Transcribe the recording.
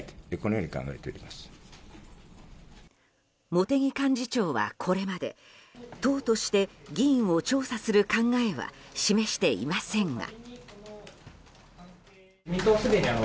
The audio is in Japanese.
茂木幹事長はこれまで党として議員を調査する考えは示していませんが。